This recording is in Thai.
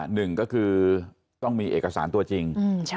หนึ่งก็คือต้องมีเอกสารตัวจริง